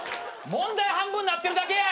問題半分なってるだけや！